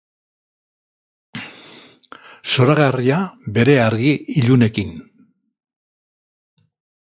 Zoragarria bere argi ilunekin.